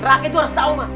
rakyat itu harus tau ma